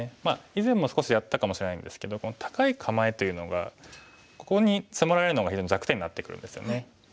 以前も少しやったかもしれないんですけど高い構えというのがここに迫られるのが非常に弱点になってくるんですよね。